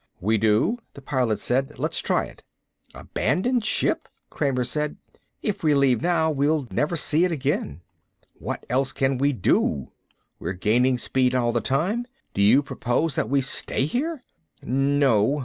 "We do," the Pilot said. "Let's try it." "Abandon ship?" Kramer said. "If we leave now we'll never see it again." "What else can we do? We're gaining speed all the time. Do you propose that we stay here?" "No."